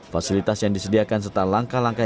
fasilitas yang disediakan serta langkah langkah